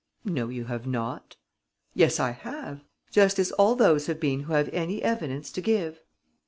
"No, you have not." "Yes, I have. Just as all those have been who have any evidence to give."